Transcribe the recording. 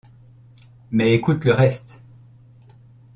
Mais écoute le reste.